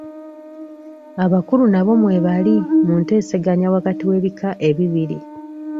Abakulu nabo mwebali mu nteeseganya wakati w'ebika ebibiri.